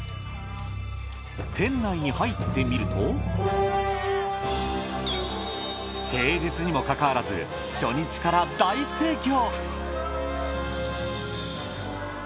店内に入ってみると平日にも関わらず初日から大盛況。